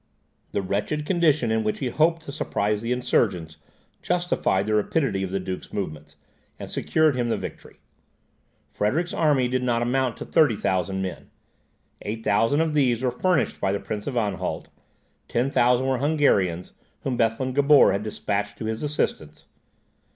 The wretched condition in which he hoped to surprise the insurgents, justified the rapidity of the duke's movements, and secured him the victory. Frederick's army did not amount to 30,000 men. Eight thousand of these were furnished by the Prince of Anhalt; 10,000 were Hungarians, whom Bethlen Gabor had despatched to his assistance.